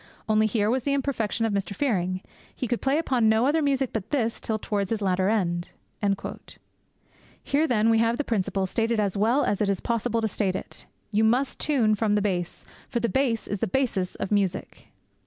Only here was the imperfection of Mr. Fearing: he could play upon no other music but this, till towards his latter end.' Here, then, we have the principle stated as well as it is possible to state it. You must tune from the bass, for the bass is the basis of music.